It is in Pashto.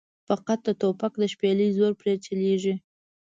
فقط د توپک د شپېلۍ زور پرې چلېږي.